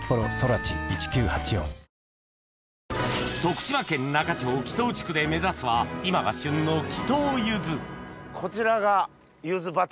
徳島県那賀町木頭地区で目指すは今が旬の木頭ゆずこちらがゆず畑。